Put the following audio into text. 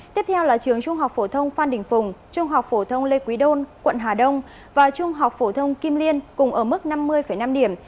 tiếp theo là trường trung học phổ thông phan đình phùng trung học phổ thông lê quý đôn quận hà đông và trung học phổ thông kim liên cùng ở mức năm mươi năm điểm